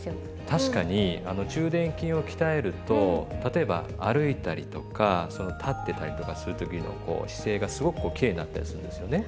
確かに中臀筋を鍛えると例えば歩いたりとか立ってたりとかする時のこう姿勢がすごくこうきれいになったりするんですよね。